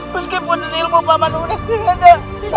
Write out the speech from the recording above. meskipun ilmu paman udah tidak ada